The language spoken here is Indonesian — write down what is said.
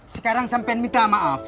sekarang sampe minta maaf